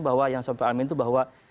bahwa yang sampai pak amin itu bahwa